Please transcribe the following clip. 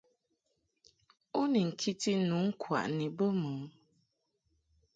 U ni nkiti nu ŋkwaʼni bə mɨ ?